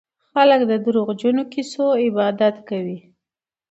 خلک د دروغجنو کيسو عبادت کوي.